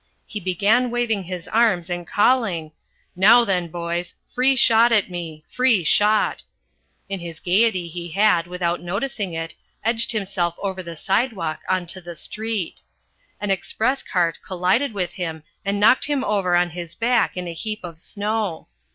He began waving his arms and calling, "Now, then, boys, free shot at me! free shot!" In his gaiety he had, without noticing it, edged himself over the sidewalk on to the street. An express cart collided with him and knocked him over on his back in a heap of snow.